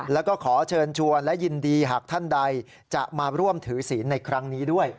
แล้วก็ขอเชิญชวนและยินดีหากท่านใดจะมาร่วมถือศีลในครั้งนี้ด้วย